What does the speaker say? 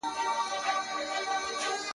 نن پرې را اوري له اسمانــــــــــه دوړي.